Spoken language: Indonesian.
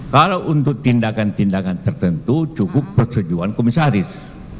kalau untuk tindakan tindakan tertentu cukup persetujuan komisaris